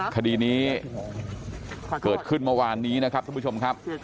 คดีนี้เกิดขึ้นเมื่อวานนี้นะครับท่านผู้ชมครับ